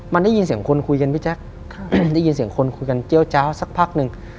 มันได้ยินเสียงคนคุยกันพี่แจ๊คได้ยินเสียงคนคุยกันเจี๊ยวเจ้าสักพักหนึ่ง